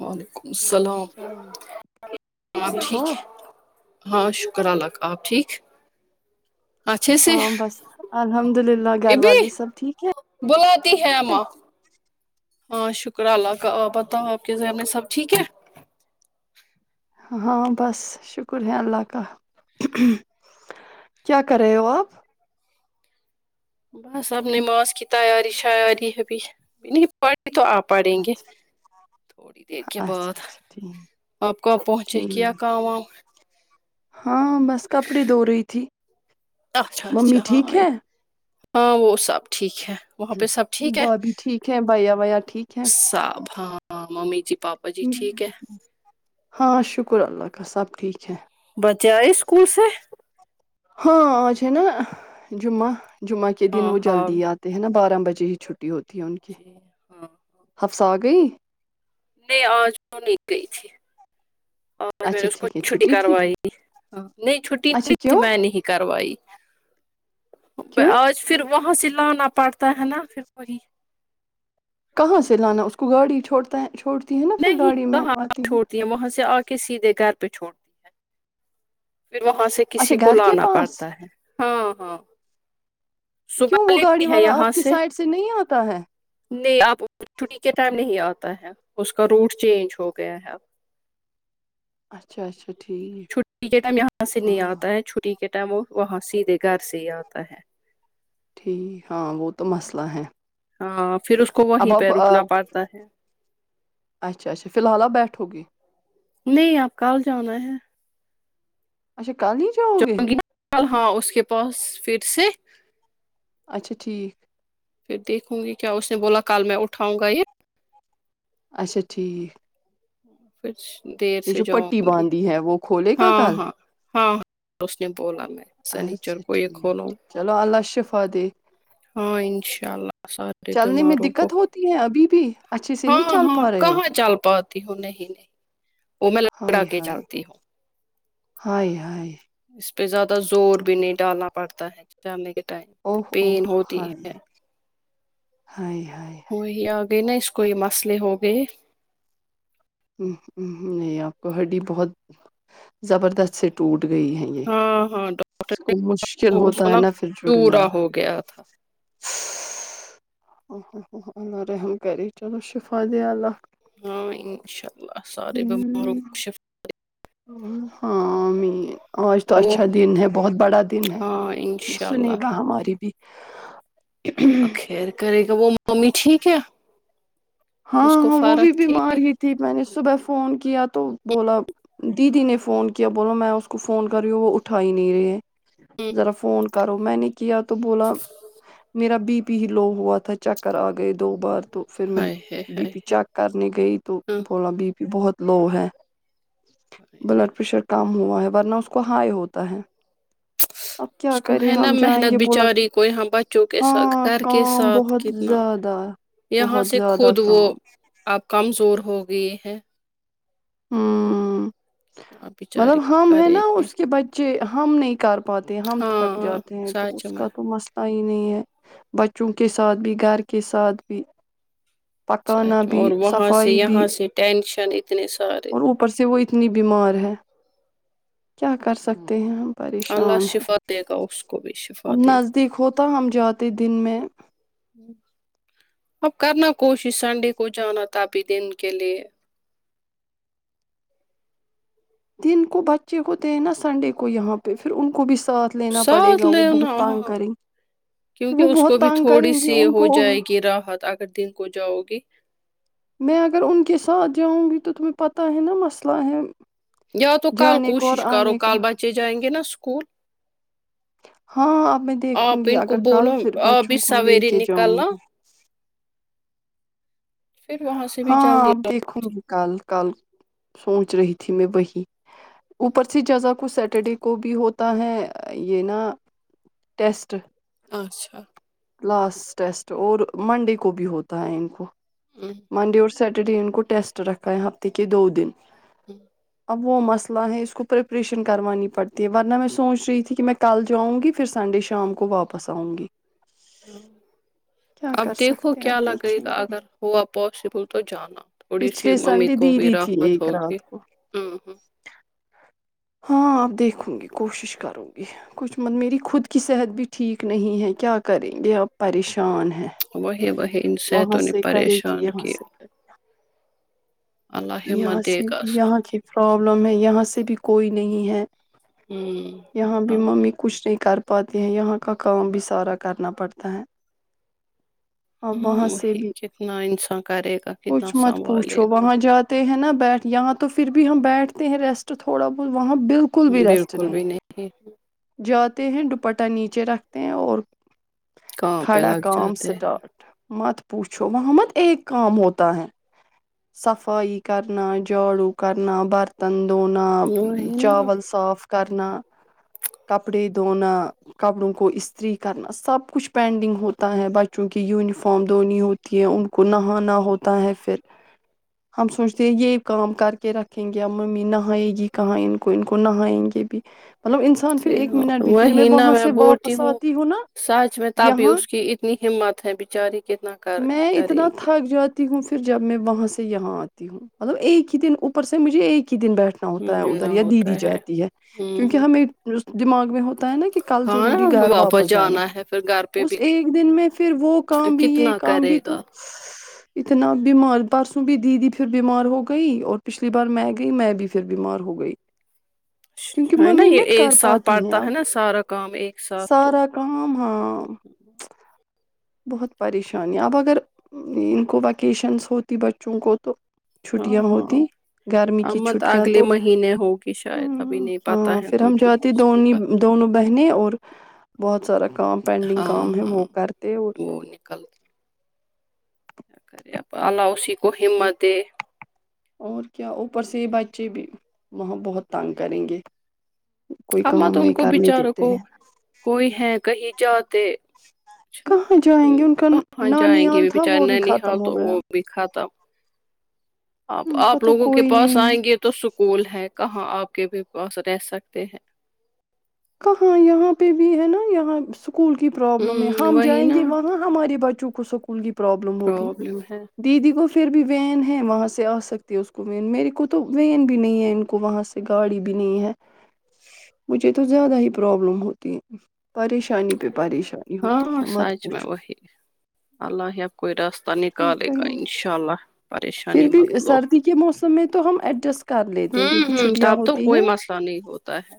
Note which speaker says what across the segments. Speaker 1: وعلیکم السلام آپ ٹھیک ہے ہاں شکہ کر لک آپ ٹھیک اچھے سے
Speaker 2: ہاں بس الحمد للہ گھر والی سب ٹھیک ہے
Speaker 1: تی ہے ماں ہاں شکر اللہ کا بتاؤ آپ کے ذہمنے سب ٹھیک ہے
Speaker 2: ہاں بس شکر ہے اللہ کا کیا کر رہے ہو آپ
Speaker 1: بس اب نماز کی تیاری شیاری ہےبھی نہیں پڑ تو آپ پڑیں گے
Speaker 2: اچھا
Speaker 1: تھوڑی دیر کے بعد
Speaker 2: اچھا اچھا ٹھیک
Speaker 1: آپ کواں پہنچے کیا
Speaker 2: ٹھیک
Speaker 1: کام وم
Speaker 2: ہاں بس کپڑی دھو رہی تھی
Speaker 1: اچھا اچھا
Speaker 2: ممی
Speaker 1: ہاں
Speaker 2: ٹھیک
Speaker 1: ہاں وہ سب ٹھیک ہے وہاں پہ سب ٹھیک ہے
Speaker 2: بابھی ٹھیک ہے بھائیا ویا ٹھیک ہے
Speaker 1: سب ہاں ممی جی پاپا جی ٹھیک ہے
Speaker 2: ہاں شکر اللہ کا سب ٹھیک ہے
Speaker 1: جائے اسکول سے
Speaker 2: ہاں آج ہے نا جمعہ جمعہ کے دن
Speaker 1: ہاں
Speaker 2: وہ
Speaker 1: ہاں
Speaker 2: جلدی آتے ہیں نا بارم بج ہی چھٹی ہوتی ہے ان کی
Speaker 1: جی ہاں
Speaker 2: ہفس آ گئی
Speaker 1: نہیں آج بو نہیں گئی تھی آج میں نے
Speaker 2: اچھا
Speaker 1: اس کو
Speaker 2: ٹھیک ہے
Speaker 1: چھٹی
Speaker 2: تھی
Speaker 1: کروائی نہیں چھٹی
Speaker 2: اچھا
Speaker 1: نہیں تھی
Speaker 2: کیوں
Speaker 1: میں نے ہی کروائی
Speaker 2: کیوں
Speaker 1: آج پھر وہاں سے لانا پڑتا ہے نا پھر کوی
Speaker 2: کہاں سے لانا اس کو گاڑی چھوڑ تا چھوڑ
Speaker 1: نہیں کہاں چھوڑتی ہیں وہاں سے آ کے سیدھے گھر پہ چھوڑتی ہے پھر وہاں سے
Speaker 2: اچھا
Speaker 1: کسی کو
Speaker 2: گھر کے
Speaker 1: لانا
Speaker 2: پاس
Speaker 1: پڑتا ہے ہاں ہاں
Speaker 2: کیوں
Speaker 1: صبح
Speaker 2: وہ گاڑی
Speaker 1: لیتی ہے
Speaker 2: والا آپ
Speaker 1: یہاں
Speaker 2: کی سائڈ سے نہیں آتا تا ہے
Speaker 1: نہیں آپ چھٹی کے ٹائم نہیں آتا ہے اس کا روٹ چینج ہو گیا ہے اب
Speaker 2: اچھا اچھا ٹھیک
Speaker 1: چھٹی کے ٹائم یہاں سے نہیں
Speaker 2: ہاں
Speaker 1: آتا ہے چھٹی کے وہ وہاں سیدھے گھر سے ہی آتا ہے
Speaker 2: ٹھ ہاں وہ تو مسئلہ ہے
Speaker 1: ہاں پھر اس کو
Speaker 2: اب
Speaker 1: وہیں پہ
Speaker 2: آپ
Speaker 1: رکنا
Speaker 2: آپ-
Speaker 1: پڑتا ہے
Speaker 2: اچھا اچھا فی الحال اپ بیٹھو گی
Speaker 1: نہیں آپ کل جانا ہے
Speaker 2: اچھا کل ہی جاؤ گے
Speaker 1: جاؤں گی ہاں اس کے پاس پھر اسے
Speaker 2: اچھا ٹھیک
Speaker 1: پھر دیکھوں گی کیا اس نے بولا کل میں اٹھاؤں گا یہ
Speaker 2: اچھا ٹھیک
Speaker 1: [unintelligible] دیر
Speaker 2: یہ
Speaker 1: سے
Speaker 2: جو پٹی
Speaker 1: جاؤں گی
Speaker 2: باندھی ہے وہ کھولے گا
Speaker 1: ہاں
Speaker 2: کل
Speaker 1: ہاں ہاں ہاں اس نے بولا میں سنیچر
Speaker 2: اچھا
Speaker 1: کو یہ
Speaker 2: ٹھیک
Speaker 1: کھولوں
Speaker 2: چلو اللہ شفا دے
Speaker 1: ہاں انشاء اللہ سارے
Speaker 2: چلنے میں
Speaker 1: بیماروں کو
Speaker 2: دقت ہوتی ہے ابھی بھی اچھے سے نہیں چل پا رہے ہو
Speaker 1: کیوں نہیں نہیں وہ میں
Speaker 2: ہائے
Speaker 1: لگڑا کے
Speaker 2: ہائے
Speaker 1: چلتی ہوں
Speaker 2: ہائے یائے
Speaker 1: اس پہ زیادہ زور بھی نہیں ڈالنا پڑتا ہے جاننے کے
Speaker 2: اوہ اوہ
Speaker 1: پین ہوتی ہے
Speaker 2: ائے ہائے
Speaker 1: گ نہ اس کوئی مسلے ہو گئے
Speaker 2: ہ نہیں آپ کو ہڈی بہت زبردست سے ٹوٹ ٹ گئی ہے یہ
Speaker 1: ہاں ہاں ڈاکٹر
Speaker 2: اس کو مشکل
Speaker 1: کو اس
Speaker 2: ہوتا ہے نا پھر جڑنا
Speaker 1: چورا ہو گیا تھا
Speaker 2: اللہ رحم کری چلو شفت اللہ
Speaker 1: ہاں انشاء سارے بیماروں
Speaker 2: ہمم
Speaker 1: کو شفٹ
Speaker 2: ہاں میں آج تو
Speaker 1: وہ
Speaker 2: اچھا دن ہے بہت بڑا دن
Speaker 1: ہاں
Speaker 2: ہے
Speaker 1: انشاء
Speaker 2: سنے
Speaker 1: اللہ
Speaker 2: گا ہماری بھی
Speaker 1: اللہ خیر کرے گ وہ ممی ٹھیک ہے اس
Speaker 2: ہاں
Speaker 1: کو
Speaker 2: ہاں وہ
Speaker 1: فارغ
Speaker 2: بھی
Speaker 1: تھی
Speaker 2: بیمار ہی تھی میں نے صبح فون کیا تو بولا دیدی نے فون کیا بولا میں اس کو فون کر رہی ہوں وہ اٹھا ہی نہیں رہے ذرا فون کرو میں نے کیا تو بولا میرا بی پلو ہوا تھا چکر آ گئے دو بار تو پھر میں
Speaker 1: ہائے ہائے
Speaker 2: بی
Speaker 1: ہائے
Speaker 2: پی چیک کرنے گئی تو
Speaker 1: ہاں
Speaker 2: بولاا بی پی بہت لو ہے بلڈ پریشر کم ہوا ہے ورنا اس کو ہائی ہوتا ہے اب کیا
Speaker 1: اس کو
Speaker 2: کریں
Speaker 1: ہے نا
Speaker 2: ہم جائیں
Speaker 1: محنت
Speaker 2: گے بولا
Speaker 1: بچاری کو یہاں بچوں کے ساتھ
Speaker 2: ہاں
Speaker 1: گھر کے
Speaker 2: کام
Speaker 1: ساتھ
Speaker 2: بہت
Speaker 1: کتنا
Speaker 2: زیادہ
Speaker 1: یہاں
Speaker 2: بہت
Speaker 1: سے
Speaker 2: زیادہ
Speaker 1: خود تو وہ
Speaker 2: کام
Speaker 1: آپ کمزور ہوگی [inaudible]
Speaker 2: [inaudible]
Speaker 1: آپ بچاری
Speaker 2: مطلب ہم ہے
Speaker 1: کرے
Speaker 2: نا
Speaker 1: گی
Speaker 2: اس کے بچے ہم نہیں کر پاتے ہیں ہم تھک
Speaker 1: ہاں
Speaker 2: جاتے ہیں تو
Speaker 1: سچ
Speaker 2: اس
Speaker 1: میں
Speaker 2: کا تو مسئلہ آ ہی نہیں ہے بچوں کے ساتھ بھی گھر کے ساتھ بھی
Speaker 1: اچھا
Speaker 2: پکانا
Speaker 1: اچھا اور
Speaker 2: بھی
Speaker 1: وہاں سے
Speaker 2: صفائی بھی
Speaker 1: یہاں سے ٹینشن [inaudible]
Speaker 2: اور اوپر سے وہ اتنی بیمار ہے کیا کر سکتے ہیں ہم
Speaker 1: اللہ
Speaker 2: پریشان ہے
Speaker 1: شفا دے گا اس کو بھی شفا
Speaker 2: اب
Speaker 1: دے گا
Speaker 2: نزدیک ہوتا ہم جاتے دن میں
Speaker 1: اب کرنا کوشش سنڈے کو جانا تھا ابھی دن کے لیے
Speaker 2: دن کو بچے کوتے ہیں نا سنڈے کو یہاں پہ پھر ان کو بھی ساتھ لینا پڑے
Speaker 1: ساتھ
Speaker 2: گا
Speaker 1: ل
Speaker 2: وہ
Speaker 1: ن
Speaker 2: بہت تانگ کریں گے
Speaker 1: کیونکہ
Speaker 2: وہ
Speaker 1: اس کو
Speaker 2: بہت
Speaker 1: بھی
Speaker 2: تانگ
Speaker 1: تھوڑی
Speaker 2: کریں گے
Speaker 1: سی
Speaker 2: ان
Speaker 1: ہو
Speaker 2: کو
Speaker 1: جائے گی راحت اگر دن کو جاؤ گی
Speaker 2: میں اگر ان کے ساتھ جاؤں گی تو تمہیں پتہ ہے نا مسئلہ ہے
Speaker 1: یا تو کل
Speaker 2: جانے کو اور
Speaker 1: کوشش کرو
Speaker 2: آنے کا
Speaker 1: کال بچے جائیں گے نا اس اسک
Speaker 2: ہاں اب میں دیکھوں گی
Speaker 1: کو
Speaker 2: اگر کل
Speaker 1: بولو
Speaker 2: پھر
Speaker 1: آپ بھی
Speaker 2: بچوں کو لے
Speaker 1: سویرے
Speaker 2: کے جاؤں
Speaker 1: نکلنا
Speaker 2: گا
Speaker 1: پھر وہاں سے بھی
Speaker 2: ہاں
Speaker 1: جلدی
Speaker 2: آپ دیکھو میں کل کل سوچ رہی تھی ت میں وہی اوپر سے جزا کو سیٹرڈے کو بھی ہوتا ہے یہ نا ٹیسٹ
Speaker 1: اچھا
Speaker 2: لاسٹ ٹیسٹ اور منڈے کو بھی ہوتا ہے ان کو
Speaker 1: ہوں ہوں
Speaker 2: منڈے
Speaker 1: ہوں
Speaker 2: اور سٹرڈے ان کو ٹیسٹ رکھا ہے ہفتے کے دو دن
Speaker 1: ہ
Speaker 2: اب وہ مسئلہ ہیں اسس کو پریپریشن کروانی پڑتی ہے ورنہ میں سوچ رہی تھی کہ میں کل جاؤں گی پھر سنڈے شام کو واپس آؤں گی
Speaker 1: ہ
Speaker 2: کیا
Speaker 1: اب
Speaker 2: کر
Speaker 1: دیکھو
Speaker 2: سکتے ہیں
Speaker 1: کیا
Speaker 2: آپ
Speaker 1: لگے
Speaker 2: دیکھیں
Speaker 1: گا
Speaker 2: گے
Speaker 1: اگر ہوا پاسبل تو جانا تھوڑی سی
Speaker 2: پچھلے
Speaker 1: ممی
Speaker 2: سنڈے
Speaker 1: کو بھی
Speaker 2: دیدی تھی
Speaker 1: راحت
Speaker 2: ایک
Speaker 1: ہوگی
Speaker 2: رات کو
Speaker 1: ہ ہ
Speaker 2: ہاں آپ دیکھوں گی کوشش کروں گی کچھ م میری خود کی صحت بھی ٹھیک نہیں ہے کیا کریں گے آپ پریشان ہیں
Speaker 1: وہی وہہی ان صطوں نے
Speaker 2: کرے گی
Speaker 1: پریشان
Speaker 2: یہاں
Speaker 1: کیا
Speaker 2: سے کرے
Speaker 1: اللہ
Speaker 2: یہاں
Speaker 1: ہمت دے
Speaker 2: سے
Speaker 1: گا سب
Speaker 2: یہاں کی پرابلم ہے یہاں سے بھی ک کوئی نہیں ہے
Speaker 1: ہوں
Speaker 2: یہاں بھی
Speaker 1: ہاں
Speaker 2: ممی کچھ نہیں کر پاتی ہیں یہاں کا کام بھی سورا کرنا پڑتا ہے اب
Speaker 1: ہاں،
Speaker 2: وہاں سے
Speaker 1: وہی
Speaker 2: بھی
Speaker 1: کتنا انسان کرے گا کتنا
Speaker 2: کچھ مت
Speaker 1: سنبھالے
Speaker 2: پوچھو
Speaker 1: گا
Speaker 2: وہاں جاتے ہیں نا بیٹھ یہاں تو پھر بھی ہم بیٹھتے ہیں ریسٹ تھوڑا بہت وہاں بالکل بھی ریسٹ
Speaker 1: بالکل
Speaker 2: نہیں
Speaker 1: بھی
Speaker 2: ج ہیں دوپٹہ نیچے رکھتے ہیں اور
Speaker 1: کہاں پہ
Speaker 2: کھڑا
Speaker 1: لگ
Speaker 2: کا
Speaker 1: جاتے ہیں
Speaker 2: سٹارٹ متد پوچھو وہاں مت ایک کام ہوتا ہے صفائی کرنا جھاڑو کرنا برتن دھونا
Speaker 1: وہی نا
Speaker 2: چل صاف کرنا کپڑے دھونا کپڑوں کو استری کرنا سب کچھ پینڈنگ ہوتا ہے بچوں کی یونیفارم دھونی ہوتی ہے ان کو نہانا ہوتا ہے پھر ہم سوچتے ہیں یہ کام کر کے رکھیں گے ممی نہ نہئے گی کہاں ان کو ان کو نہیں گے بھی مطلب انسان
Speaker 1: ج
Speaker 2: پھر ایک
Speaker 1: ہاں
Speaker 2: منٹ بھی پھر
Speaker 1: وہیں نہ
Speaker 2: وہاں
Speaker 1: میں
Speaker 2: سے
Speaker 1: بولتی
Speaker 2: واپس
Speaker 1: ہوں
Speaker 2: آتی نا
Speaker 1: سچ میں تب بھی
Speaker 2: یہاں
Speaker 1: اس کی اتنی ہمت ہے بچاری کتنا کر
Speaker 2: میں
Speaker 1: کرے
Speaker 2: اتنا
Speaker 1: گی
Speaker 2: تھک جاتی ہوں جب میں وہاں سے یہاں آتی ہوں مطلب ایک ہی دن اوپر سے مجھے ایک ہی دن بیٹھ ہوتا ہے ادھر
Speaker 1: ملنا
Speaker 2: یا دی دی
Speaker 1: ہوتا
Speaker 2: جاتی ہے کیونکہ
Speaker 1: ہوں
Speaker 2: ہمیں دماغ میں ہوت ہوتا ہے نا کہ کل
Speaker 1: ہاں
Speaker 2: ضروری گھر واپس جانا
Speaker 1: ہے پھر گھر پہ
Speaker 2: اس
Speaker 1: بھی
Speaker 2: ایک دن میں پھر وہ کام بھی یہ
Speaker 1: کتنا
Speaker 2: کام
Speaker 1: کرے
Speaker 2: بھی
Speaker 1: گا
Speaker 2: تو اتنا بیمار پرسوں بھی دیدی پھر بیمار ہو گئی اور پچھلی بار میں گئی میں بھی پھر بیمار ہو گئی کیونکہ
Speaker 1: ہے نا
Speaker 2: ممی
Speaker 1: یہ
Speaker 2: مت
Speaker 1: ایک
Speaker 2: کر
Speaker 1: ساتھ
Speaker 2: پاتی ہیں
Speaker 1: پڑتا ہے
Speaker 2: اب
Speaker 1: نا سارا کام ایک ساتھ تو
Speaker 2: سارا کام ہاں بہت پریشانیا اب اگر ان کو ویکیشنس ہوتی بچوں کو تو تو
Speaker 1: ہاں
Speaker 2: چھٹیاں
Speaker 1: ہاں
Speaker 2: ہوتی گرمی کی
Speaker 1: امت
Speaker 2: چھٹیاں
Speaker 1: اگلے
Speaker 2: تو ہ
Speaker 1: مہینے ہوگی شاید ابھی نہیں پتا
Speaker 2: ہاں
Speaker 1: ہے
Speaker 2: پھر ہم
Speaker 1: کچھ
Speaker 2: جاتے
Speaker 1: موسم
Speaker 2: د
Speaker 1: کا
Speaker 2: دونوں بہنیں اور بہت سارا کا پینڈنگ
Speaker 1: ہاں
Speaker 2: کام ہے وہ
Speaker 1: ہاں
Speaker 2: کر
Speaker 1: وہ نکل کے خپ اللہؤ ش
Speaker 2: اور کیا اوپر سے ہی بائک جی بھی وہاں بہت تانگ کریں گے کوئی
Speaker 1: ااں تو
Speaker 2: کام
Speaker 1: ان
Speaker 2: نہیں
Speaker 1: کو
Speaker 2: کرنے
Speaker 1: بچاروں
Speaker 2: دیتے
Speaker 1: کو
Speaker 2: ہیں
Speaker 1: کوئی ہے کہیں جاہاتے
Speaker 2: کہاں جائیں گے ان کا
Speaker 1: کہاں جائیں گی
Speaker 2: نانیال
Speaker 1: بھی
Speaker 2: تھا
Speaker 1: بچارے
Speaker 2: وہ
Speaker 1: نین حال
Speaker 2: ختم
Speaker 1: تو
Speaker 2: ہو
Speaker 1: وہ
Speaker 2: گیا
Speaker 1: بھی کھات تھا آپ
Speaker 2: ان کا
Speaker 1: آپ
Speaker 2: تو
Speaker 1: لوگوں کے
Speaker 2: کوئی
Speaker 1: پاس
Speaker 2: نہیں ہے
Speaker 1: آئیں گے تو سکول ہے کہاں آپ کے بھی پاس رہ سکتے ہیں
Speaker 2: کہاں یہاں پہ بھی ہے نا یہاں س اسکول کی پروابلم ہے
Speaker 1: ہ
Speaker 2: ہم
Speaker 1: وہی
Speaker 2: جائیں
Speaker 1: نا
Speaker 2: گے وہاں ہمارے بچوں کو ک سکول کی پرابلم ہوگی
Speaker 1: پرابلم ہے
Speaker 2: دیدی کو پھر بھی وین ہے وہاں سے آ سکتی ہے اس کو وین میرے کو تو وین بھی نہیں ہے ان کو وہاں سے گاڑی بھی نہیں ہے مجھے تو زیادہ ہی پرابلم ہوتی ہے پریشانی پہ پریشانی ہوتی
Speaker 1: ہاں
Speaker 2: ہے مت
Speaker 1: سچ میں
Speaker 2: پوچھو
Speaker 1: وہی اللہ ہی اب کوئی راستہ پتا
Speaker 2: کیا
Speaker 1: نکالے
Speaker 2: کریں
Speaker 1: گا
Speaker 2: گے
Speaker 1: انشاء اللہ پریشانی
Speaker 2: پھر بھی
Speaker 1: مت لو
Speaker 2: سردی کے موسم میں تو ہم ایڈجسٹ کر لیتے ہیں
Speaker 1: ہوں
Speaker 2: کیونکہ
Speaker 1: ہوں
Speaker 2: چھٹیاں
Speaker 1: تب تو
Speaker 2: ہوتی
Speaker 1: کوئی
Speaker 2: ہیں
Speaker 1: مسئلہ نہیں ہوتا ہے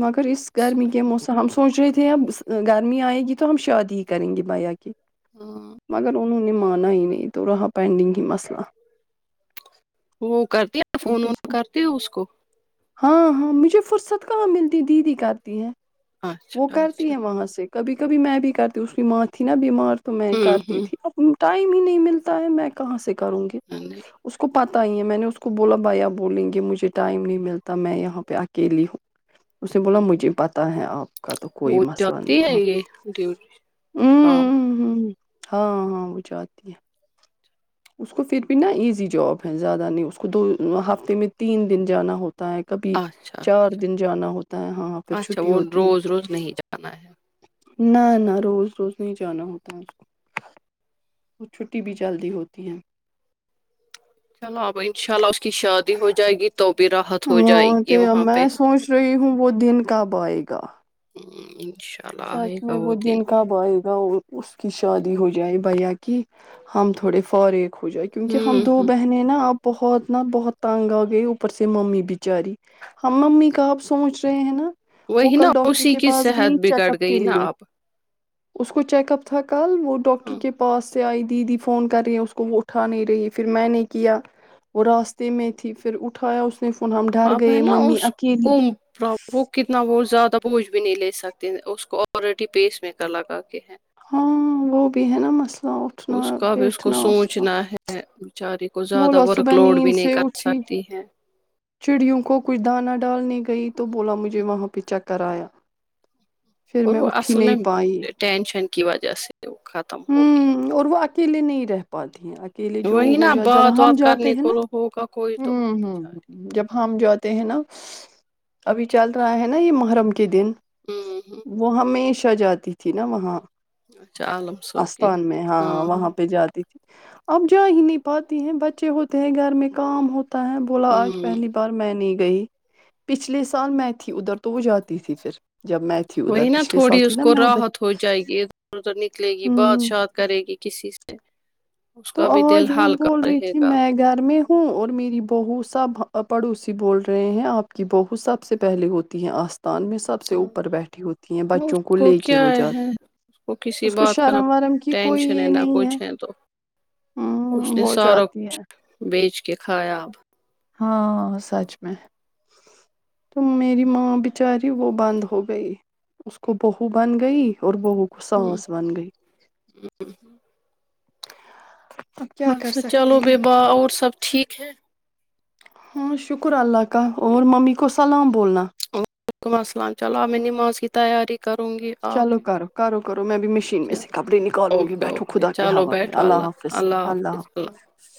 Speaker 2: مگر اس گرمی کے موسم ہم س سوچ رہے تھے اب گرمی آئے گی تو ہم شاد ہی کریں گے بائیا کے
Speaker 1: ہاں
Speaker 2: مگر ان مانا ہی نہیں تو رہا پینڈنگ ہی مسئلہ [inaudible]
Speaker 1: وہ کرتی فون وون کرتے ہو اس کو
Speaker 2: ہاں ہاں مجھے فرصت کہاں ملتی دیدی کہتی ہے وہ
Speaker 1: اچھا
Speaker 2: کرتی
Speaker 1: اچھا
Speaker 2: ہیں وہاں سے کبھی کبھی میں بھی کرتی ہوں اس کی ماں تھی نا بیمار تو میں
Speaker 1: ہوں
Speaker 2: کرتی
Speaker 1: ہوں
Speaker 2: تھی اب ٹائم ہی نہیں ملتا ہے میں کہاں سے کروں گی
Speaker 1: نہیں
Speaker 2: اس کو پات میں نے اس کو بولا بھیا بولیں گے مجھے ٹائم نہیں ملتا تب میں یہاں پہ اکیلی ہوں اس نے بولا مجھے پتا ہے آپ کا تو کوئی
Speaker 1: وہ
Speaker 2: مسئلہ
Speaker 1: جاتی
Speaker 2: نہیں
Speaker 1: ہے یہ ڈیوٹی کام
Speaker 2: ہاں ہاں وہ جاتتی ہے اس کو پھر بھی نا ایزی جاب ہے زیادہ نہیں اس کو دو ہفتے میں تین دن جانا ہوتا ہوتا ہے کبھی
Speaker 1: اچھا
Speaker 2: چار
Speaker 1: اچھا
Speaker 2: دن جانا ہوتا ہے ہاں پھر
Speaker 1: اچھا
Speaker 2: چھٹی
Speaker 1: وہ
Speaker 2: ہوتی ہے
Speaker 1: روز روز نہیں جانا ہے
Speaker 2: نہ نہ روز روز نہیں جانا ہوتا کو اور چھٹی بھی چلدی ہوتی تی ہیں
Speaker 1: چلو اب ان شاء اللہ اس کی شادی ہو جائے گی تو بھی راحت ہو
Speaker 2: ہاں
Speaker 1: جائے گی
Speaker 2: تو
Speaker 1: وہاں
Speaker 2: میں
Speaker 1: پہ
Speaker 2: سوچ رہی ہوں وہ دن کا بائے گا [unintelligible]
Speaker 1: ہاں [inaudible]
Speaker 2: سچ میں وہ دن کب آئے گا وہ اس کی شادی ہو جائے بھیا کی ہم تھوڑے فوری ہو جائے کیونکہ ہم
Speaker 1: ہوں
Speaker 2: دو
Speaker 1: ہ
Speaker 2: بہنیں نا اب بہت نا بہت تانگ آ گئی اوپر سے ممی بچاری ہم ممی کا آپ سوچ رہے ہیں نا وہ
Speaker 1: وہی نا
Speaker 2: کل ڈاکٹر
Speaker 1: اوشی
Speaker 2: کے
Speaker 1: کی
Speaker 2: پاس
Speaker 1: صحت
Speaker 2: گئی
Speaker 1: بگڑ
Speaker 2: چیک
Speaker 1: گئی
Speaker 2: اپ کے
Speaker 1: گئی نا
Speaker 2: لیے
Speaker 1: آپ
Speaker 2: اس کو چیک اپ تھا کہ کل وہ ڈاکٹر
Speaker 1: ہاں،
Speaker 2: کے پاس سے آئی دیدی فون کر رہی اس کو وہ اٹھا نہیں رہی ہے پھر میں نے کیا وہ راستے میں تھی پھر اٹھایا اس نے فون ہم ڈر
Speaker 1: اپ ہے
Speaker 2: گئے
Speaker 1: نا
Speaker 2: ممی
Speaker 1: اس
Speaker 2: اکیلی
Speaker 1: کو وہ کتنا بہت زیادہ بوجھ بھی نہیں لے سکتے اس کو آلریڈی پیس م کرر لگا کے ہیں
Speaker 2: ہاں وہ بھی ہے نا مسلہ
Speaker 1: اس کا بھی اس کو سوچنا ہے بچاری کو زیادہ
Speaker 2: بولا
Speaker 1: ورک
Speaker 2: صبح
Speaker 1: لوڈ بھی
Speaker 2: نیند
Speaker 1: نہیں
Speaker 2: سے
Speaker 1: کر
Speaker 2: اٹھی
Speaker 1: سکتی ہے
Speaker 2: چڑیوں کو کچھ دانا ڈالنے گئی تھی تو بولا مجھے وہاں پہ چیک کرایا
Speaker 1: اور وہ اصل میں ٹینشن کی وجہ سے وہ ختم ہوگی
Speaker 2: ہوں اور وہ اکیلے نہیں رہ پاتی ہیں کے لیے جو
Speaker 1: وہی
Speaker 2: ہو
Speaker 1: نا
Speaker 2: جات جب
Speaker 1: بات
Speaker 2: ہم
Speaker 1: وات
Speaker 2: جاتے
Speaker 1: کرنے
Speaker 2: ہیں
Speaker 1: کو ہوگا کوئی تو
Speaker 2: نا
Speaker 1: بچاری
Speaker 2: جب ہم جاتے ہیں نا ابھی چل رہا ہے نا یہ محرم کے دن
Speaker 1: ہوں ہوں
Speaker 2: وہ ہمیشہ چ جاتی تھی نا وہاں
Speaker 1: اچ [unintelligible]
Speaker 2: استان میں ہاں وہاں پہ جاتی تھی اب جا ہی نہیں پاتی ہیں بچے ہوتے ہیں گھر میں کام ہو بولا آج
Speaker 1: ہوں
Speaker 2: پہلی بار میں نے گئی پچھلے سال میں تھی ادھر تو وہ جاتی تھی پھر جب میں تھی
Speaker 1: وہی
Speaker 2: ادھر
Speaker 1: نا
Speaker 2: پچھلے سال
Speaker 1: تھوڑی
Speaker 2: تھی
Speaker 1: اس
Speaker 2: نا
Speaker 1: کو
Speaker 2: میں ادھر
Speaker 1: راحت ہو جائے گی ادھر ادھر نکلے گی بات
Speaker 2: ہوں
Speaker 1: شات کرے گی کسی سے اس
Speaker 2: تو
Speaker 1: کا بھی دل
Speaker 2: آج وہ
Speaker 1: ہلکا
Speaker 2: بول رہی
Speaker 1: رہے
Speaker 2: تھی
Speaker 1: گا
Speaker 2: میں گھر میں ہوں اور میری بہو سب پڑوسی بول رہے ہیں آپ کی بہو سب سے پہلے ہوتی ہے آستھ ان میں سب سے اوپر بیٹھی ہوتی ہیں
Speaker 1: اس
Speaker 2: بچوں کو لے کے
Speaker 1: کیا
Speaker 2: وہ جات
Speaker 1: ہے اس کسی
Speaker 2: اس کو
Speaker 1: بات کا نہ
Speaker 2: شرم وارم کی کوئی
Speaker 1: ٹینشن
Speaker 2: یہ
Speaker 1: نہ
Speaker 2: نہیں ہے
Speaker 1: کچھ تو اس
Speaker 2: ہوں
Speaker 1: نے
Speaker 2: وہ
Speaker 1: سارا
Speaker 2: جاتی
Speaker 1: کچھ
Speaker 2: ہے
Speaker 1: بیچ کے کھایا اب
Speaker 2: ہاں سچ میں تو میری ماں بچاری وہ بند ہو گئی اس کو بہو بن گئی اور وہ
Speaker 1: ہوں
Speaker 2: سانس بن گئی اب کیا کر
Speaker 1: اچھا چلو
Speaker 2: سکتے
Speaker 1: ب
Speaker 2: ہیں
Speaker 1: باہ اور سب ٹھیک ہے
Speaker 2: ہاں شکر اللہ کا اور ممی کو سلام بولنا
Speaker 1: ولیکم السلام چلو آب میں نماز کی تیاری کروں گی آپ
Speaker 2: چلو
Speaker 1: بھی
Speaker 2: کرو کرو کرو میں بھی مشین میں
Speaker 1: چلو
Speaker 2: سے کپڑے نکالوں گی
Speaker 1: اوکے
Speaker 2: بیٹھو
Speaker 1: اوکے
Speaker 2: خدا کے
Speaker 1: چلو
Speaker 2: حوالے
Speaker 1: بیٹھو
Speaker 2: اللہ حافظ اللہ
Speaker 1: حافظ
Speaker 2: حافظ